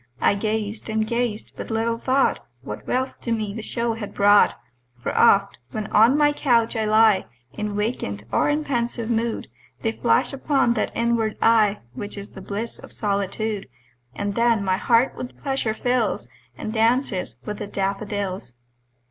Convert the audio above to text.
I gazed and gazed but little thought What wealth the show to me had brought; For oft, when on my couch I lie In vacant or in pensive mood, They flash upon that inward eye Which is the bliss of solitude; And then my heart with pleasure fills, And dances with the daffodils.